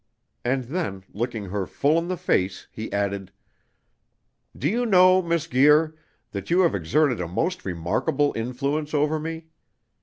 And then, looking her full in the face, he added: "Do you know, Miss Guir, that you have exerted a most remarkable influence over me?